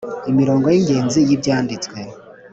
Imirongo y ingenzi y ibyanditswe